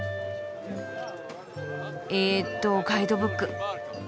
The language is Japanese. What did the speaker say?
えっとガイドブック。